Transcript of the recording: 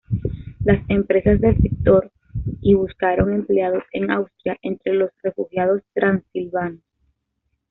Las empresas del sector y buscaron empleados en Austria entre los refugiados transilvanos.